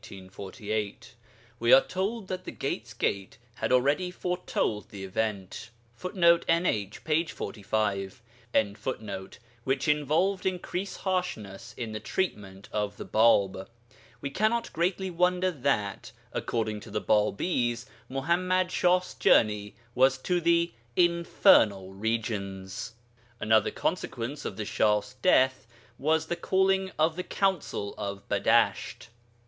We are told that the 'Gate's Gate' had already foretold this event, [Footnote: NH, p. 45.] which involved increased harshness in the treatment of the Bāb. We cannot greatly wonder that, according to the Bābīs, Muḥammad Shah's journey was to the infernal regions. Another consequence of the Shah's death was the calling of the Council of Badasht.